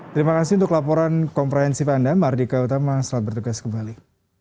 terima kasih untuk laporan komprehensif anda mardika utama selamat bertugas kembali